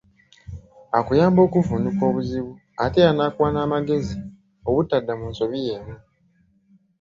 Akuyamba okuvvuunuka obuzibu ate era nakuwa n’amagezi obutadda mu nsobi yeemu.